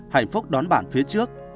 hạnh phúc đón bạn phía trước